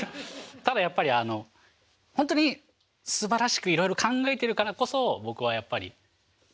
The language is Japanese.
ただやっぱりあのほんとにすばらしくいろいろ考えているからこそ僕はやっぱり。